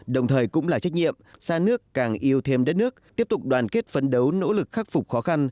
đồng thời cũng là trách nhiệm xa nước càng yêu thêm đất nước tiếp tục đoàn kết phấn đấu nỗ lực khắc phục khó khăn